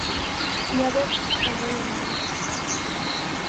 Ía ver o meu irmán.